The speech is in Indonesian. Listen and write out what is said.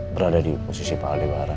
berada di posisi pak aldebaran